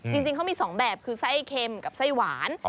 จริงเขามี๒แบบคือไส้เค็มกับไส้หวาน